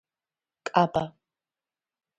კაბა